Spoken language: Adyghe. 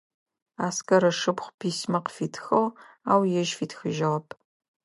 Аскэр ышыпхъу письма къыфитхыгъ, ау ежь фитхыжьыгъэп.